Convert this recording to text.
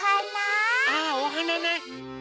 あおはなね！